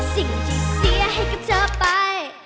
สิ่งที่เสียให้กับเธอไป